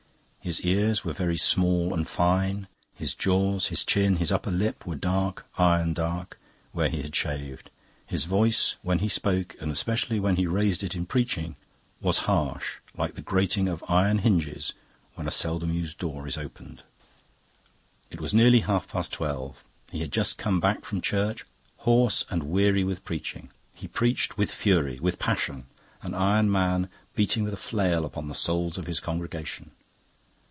His ears were very small and fine. His jaws, his chin, his upper lip were dark, iron dark, where he had shaved. His voice, when he spoke and especially when he raised it in preaching, was harsh, like the grating of iron hinges when a seldom used door is opened. It was nearly half past twelve. He had just come back from church, hoarse and weary with preaching. He preached with fury, with passion, an iron man beating with a flail upon the souls of his congregation.